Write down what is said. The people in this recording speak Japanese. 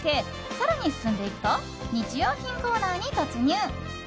更に進んでいくと日用品コーナーに突入。